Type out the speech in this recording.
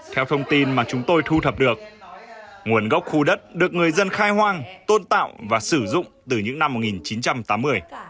theo thông tin mà chúng tôi thu thập được nguồn gốc khu đất được người dân khai hoang tôn tạo và sử dụng từ những năm một nghìn chín trăm tám mươi